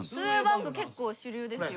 結構主流ですよ。